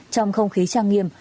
trong không khí trang nghiêm